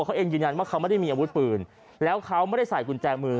เขาเองยืนยันว่าเขาไม่ได้มีอาวุธปืนแล้วเขาไม่ได้ใส่กุญแจมือ